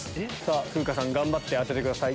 風花さん頑張って当ててください